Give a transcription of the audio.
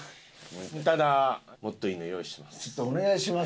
ただもっといいの用意してます。